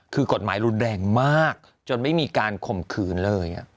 คือกฎหมายรุนแรงมากจนไม่มีการข่มขืนเลย